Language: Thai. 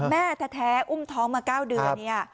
แม่แท้อุ้มท้องมา๙เดือนเนี่ย